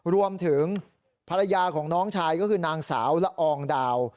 รวมถึงภรรยาของน้องชายก็คือนางสาวละอองดาว